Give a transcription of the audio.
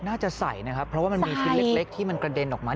น่าจะใส่นะครับเพราะว่ามันมีชิ้นเล็กที่มันกระเด็นออกมา